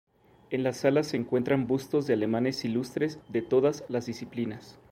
En la sala se encuentran bustos de alemanes ilustres de todas las disciplinas.